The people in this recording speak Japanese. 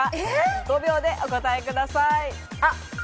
５秒でお答えください。